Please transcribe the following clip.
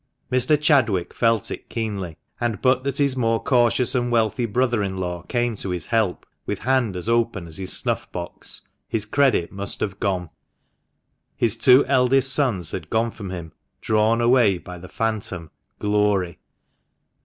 Mr. Chadwick felt it keenly, and, but that his more cautious and wealthy brother in law came to his help with hand as open as his snuff box, his credit must have gone. His two eldest sons had gone from him, drawn away by the phantom, "Glory."